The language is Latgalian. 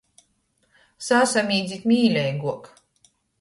Sasamīdzit mīleiguok.